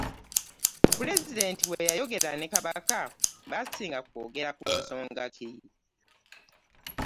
Pulezidenti we yayogera ne kabaka basinga kwogera ku nsonga ki?